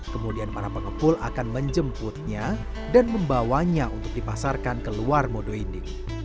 kemudian para pengepul akan menjemputnya dan membawanya untuk dipasarkan ke luar modo indi